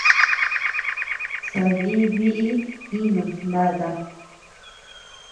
Sadï biʼi jiinus nata.